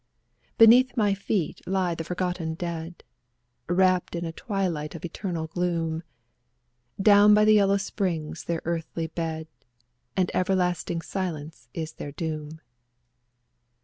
Beneath my feet lie the forgotten dead. Wrapped in a twilight of eternal gloom ; Down by the Yellow Springs ^° their earthy bed, And everlasting silence is their doom.